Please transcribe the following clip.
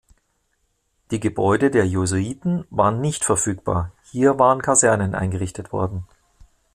Die Gebäude der Jesuiten waren nicht verfügbar, hier waren Kasernen eingerichtet worden.